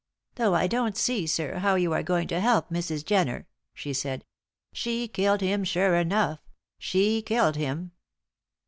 "Though I don't see, sir, how you are going to help Mrs. Jenner," she said. "She killed him sure enough; she killed him."